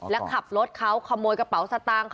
แล้วขับรถเขาขโมยกระเป๋าสตางค์